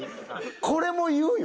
これも言うよ。